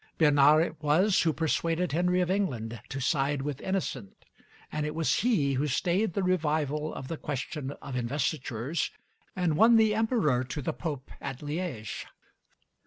Bernard it was who persuaded Henry of England to side with Innocent, and it was he who stayed the revival of the question of investitures and won the Emperor to the Pope at Liege.